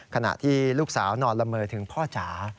ขณะที่ลูกสาวนอนละเมอถึงพ่อจ๋า